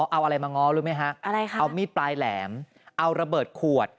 เอาอะไรมาง้อรู้ไหมฮะอะไรคะเอามีดปลายแหลมเอาระเบิดขวด